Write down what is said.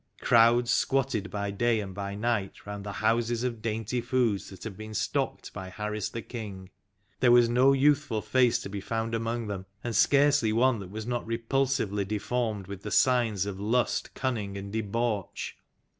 Crowds squatted by day and by night round the Houses of Dainty Foods that had been stocked by Harris the King; there was no youthful face to be found among them, and scarcely one that was not repulsively de formed with the signs of lust, cunning, and debauch.